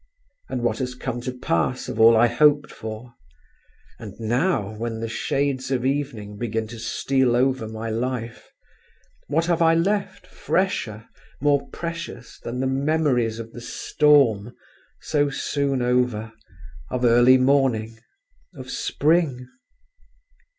And what has come to pass of all I hoped for? And now, when the shades of evening begin to steal over my life, what have I left fresher, more precious, than the memories of the storm—so soon over—of early morning, of spring?